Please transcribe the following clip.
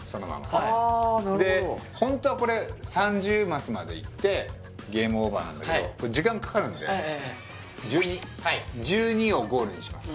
なるほどホントはこれ３０マスまでいってゲームオーバーなんだけど時間かかるんでええええ１２１２をゴールにします